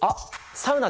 サウナ？